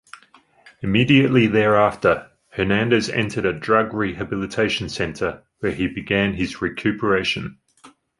Immediately thereafter, Hernandez entered a drug rehabilitation center where he began his recuperation.